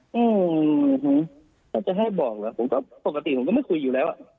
อืมจะให้บอกปกติผมก็ไม่คุยอยู่แล้ว